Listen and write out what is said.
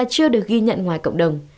chưa được ghi nhận ngoài cộng đồng